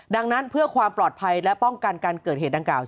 ดังนั้นเพื่อความปลอดภัยและป้องกันการเกิดเหตุดังกล่าว